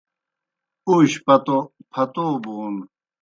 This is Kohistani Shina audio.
اوشیْ پتو پھتو بون